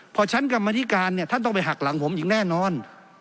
พอชั้นกรรมธิการเนี่ยท่านต้องไปหักหลังผมอีกแน่นอน